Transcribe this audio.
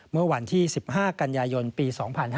เมื่อวันที่๑๕กันยายนปี๒๕๕๙